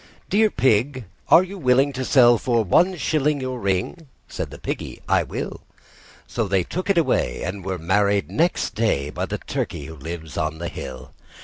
"Dear Pig, are you willing to sell for one shilling Your ring?" Said the Piggy, "I will." So they took it away, and were married next day By the Turkey who lives on the hill.